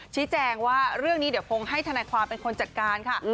ชี้แจงว่าเรื่องนี้เดี๋ยวคงให้ธนายความเป็นคนจัดการค่ะ